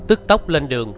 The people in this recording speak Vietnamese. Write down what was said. tức tốc lên đường